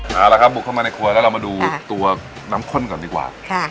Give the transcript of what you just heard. เอาละครับบุกเข้ามาในครัวแล้วเรามาดูตัวน้ำข้นก่อนดีกว่า